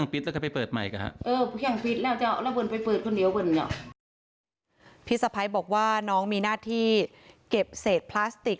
พี่สะพ้ายบอกว่าน้องมีหน้าที่เก็บเศษพลาสติก